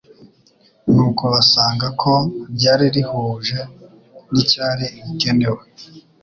nuko basanga ko ryari rihuje n'icyari gikenewe.